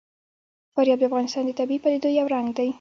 فاریاب د افغانستان د طبیعي پدیدو یو رنګ دی.